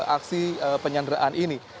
aksi penyanderaan ini